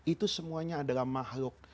itu semuanya adalah mahluk